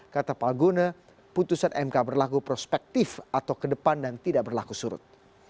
kata palguna putusan mk berlaku prospektif atau ke depan dan tidak berlaku surut